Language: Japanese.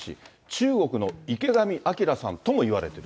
中国の池上彰さんともいわれてる。